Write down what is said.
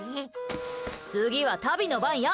次はタビの番や！